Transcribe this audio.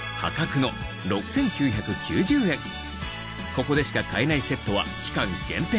ここでしか買えないセットは期間限定